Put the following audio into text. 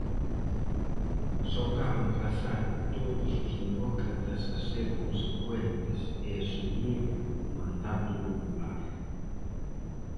Só cabe emprazar todos os demócratas a ser consecuentes e asumir o mandato popular.